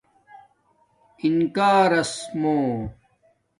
اِنکارس مُو